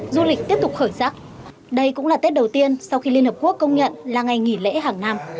du lịch tiếp tục khởi sắc đây cũng là tết đầu tiên sau khi liên hợp quốc công nhận là ngày nghỉ lễ hàng năm